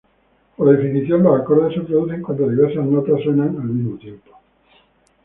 Por definición, los acordes se producen cuando diversas notas suenan al mismo tiempo.